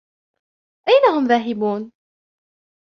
أين هم ذاهبون ؟